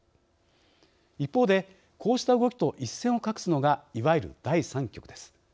一方でこうした動きと一線を画すのがいわゆる第３極です。